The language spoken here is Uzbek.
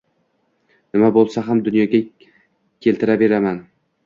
Nima boʻlsa ham dunyoga keltiraveraman.